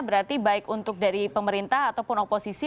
berarti baik untuk dari pemerintah ataupun oposisi